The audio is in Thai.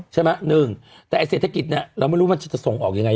หนึ่งแต่เศรษฐกิจเนี่ยเราไม่รู้มันจะส่งออกยังไง